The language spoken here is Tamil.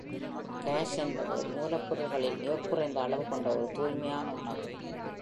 காஷ் என்பது மூலபொருட்களில் மிகக் குறைந்த அளவு கொண்ட ஒரு தூய்மையான உணவு.